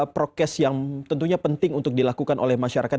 prokes yang tentunya penting untuk dilakukan oleh masyarakat